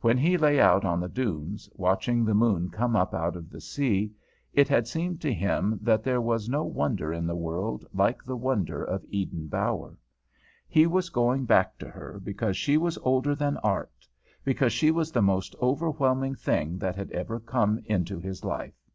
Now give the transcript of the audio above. When he lay out on the dunes, watching the moon come up out of the sea, it had seemed to him that there was no wonder in the world like the wonder of Eden Bower. He was going back to her because she was older than art, because she was the most overwhelming thing that had ever come into his life.